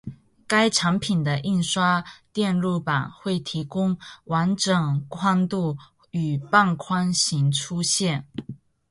该产品的印刷电路板会提供完整宽度与半宽型出现。